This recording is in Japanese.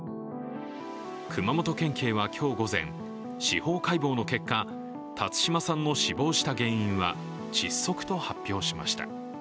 熊本県警は今日午前、司法解剖の結果、辰島さんの死亡した原因は窒息と発表しました。